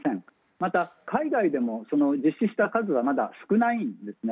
また、海外でも実施した数はまだ少ないですね。